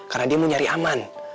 karena dia mau nyari aman